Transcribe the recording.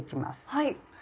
はい！